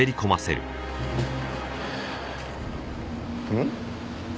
うん？